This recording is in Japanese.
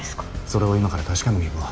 それを今から確かめに行くわ。